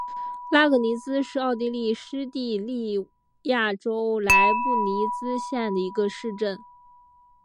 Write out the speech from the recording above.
拉格尼茨是奥地利施蒂利亚州莱布尼茨县的一个市镇。